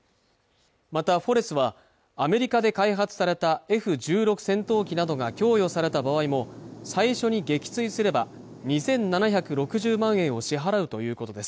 またフォレスはアメリカで開発されたＦ−１６戦闘機などが供与された場合も最初に撃墜すれば２７６０万円を支払うということです